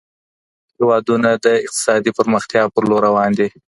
هېوادونه د اقتصادي پرمختيا په لور روان دي.